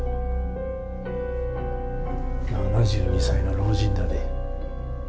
７２歳の老人だで。